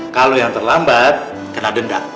kalo yang terlambat kena dendam